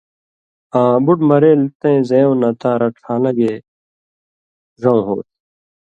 آں بُٹ مرېل تَیں زئیوں نہ تاں رڇھان٘لہ گے ڙؤں ہو تھہ۔